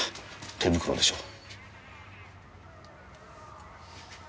手袋でしょう。